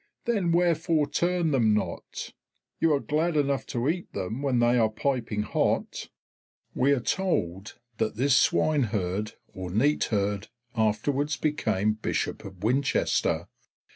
Then wherefore turn them not? You are glad enough to eat them when they are piping hot." We are told that this swineherd or neatherd afterwards became Bishop of Winchester.